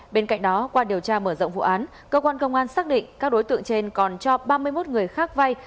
bên cạnh đó qua điều tra mở rộng vụ án cơ quan công an xác định các đối tượng trên còn cho ba mươi một người khác vay